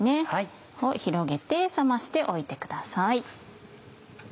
広げて冷ましておいてください。